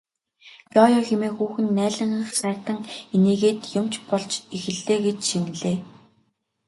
Ёо ёо хэмээн хүүхэн наалинхайтан инээгээд юм ч болж эхэллээ гэж шивнэлээ.